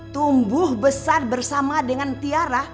tumbuh besar bersama dengan tiara